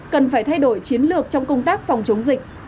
cần phải thay đổi chiến lược trong công tác phòng chống dịch